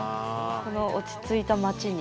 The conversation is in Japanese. この落ち着いた町に。